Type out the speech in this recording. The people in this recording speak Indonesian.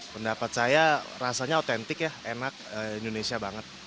pendapat saya rasanya otentik ya enak indonesia banget